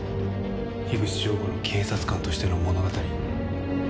口彰吾の警察官としての物語。